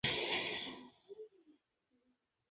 তারা বললেন তবুও না।